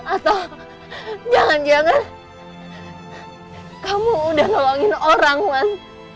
atau jangan jangan kamu udah nolongin orang mas